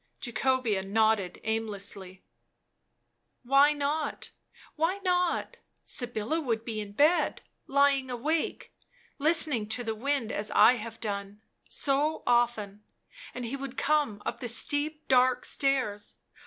Jacobea nodded aimlessly. "•Why not? — why not? — Sybilla would be in bed, lying awake, listening to the wind as I have done — so often — and he would come up the steep, dark stairs.